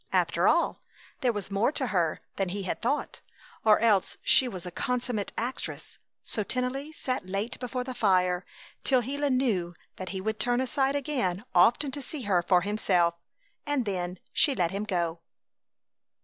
After all, there was more to her than he had thought, or else she was a consummate actress! So Tennelly sat late before the fire, till Gila knew that he would turn aside again often to see her for himself, and then she let him go.